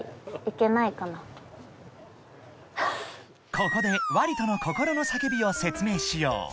［ここでワリトの心の叫びを説明しよう］